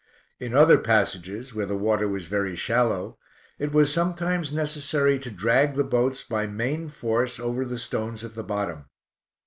In other passages, where the water was very shallow, it was sometimes necessary to drag the boats by main force over the stones at the bottom.